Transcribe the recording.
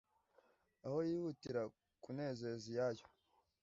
aho yihutira kunezeza iyayo